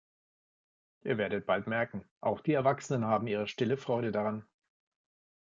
Ihr werdet bald merken, auch die Erwachsenen haben ihre stille Freude daran.